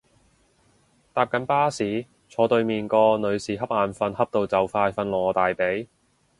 搭緊巴士，坐對面個女士恰眼瞓恰到就快瞓落我大髀